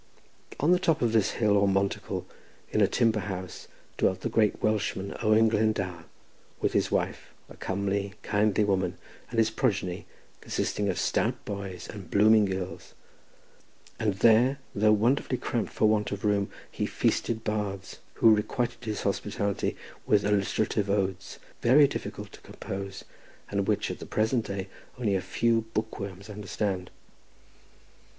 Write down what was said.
On the top of this hill, or monticle, in a timber house, dwelt the great Welshman, Owen Glendower, with his wife, a comely, kindly woman, and his progeny, consisting of stout boys and blooming girls, and there, though wonderfully cramped for want of room, he feasted bards, who requited his hospitality with alliterative odes very difficult to compose, and which at the present day only a few bookworms understand.